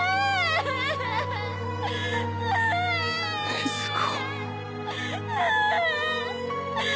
禰豆子。